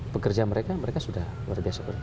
pekerja mereka sudah berbeza